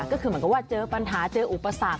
ก็คือเหมือนกับว่าเจอปัญหาเจออุปสรรค